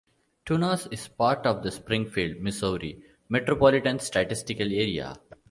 Tunas is part of the Springfield, Missouri Metropolitan Statistical Area.